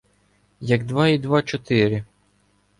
Як два і два — чотири!